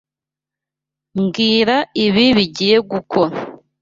Mbwira ibi bigiye gukora.